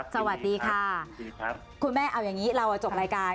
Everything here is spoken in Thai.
สวัสดีค่ะคุณแม่เอาอย่างนี้เราจบรายการ